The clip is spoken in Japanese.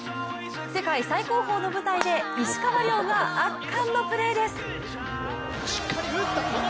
世界最高峰の舞台で石川遼が圧巻のプレーです。